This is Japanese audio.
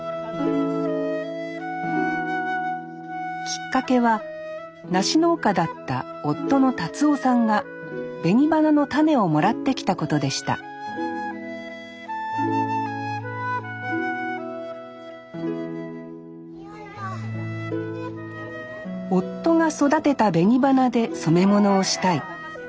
きっかけは梨農家だった夫の達男さんが紅花の種をもらってきたことでした夫が育てた紅花で染め物をしたい。